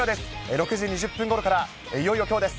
６時２０分ごろからいよいよきょうです。